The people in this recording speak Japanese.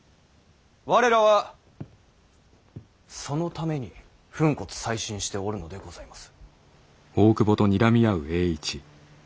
我らはそのために粉骨砕身しておるのでございます。